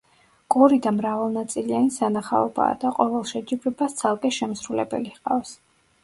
კორიდა მრავალნაწილიანი სანახაობაა და ყოველ შეჯიბრებას ცალკე შემსრულებელი ჰყავს.